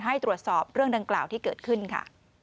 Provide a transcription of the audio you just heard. ให้ตรวจสอบเรื่องดังกล่าวที่เกิดขึ้นค่ะ